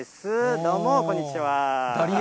どうも、こんにちは。